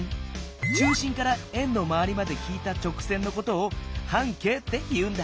中心から円のまわりまで引いた直線のことを半径って言うんだ。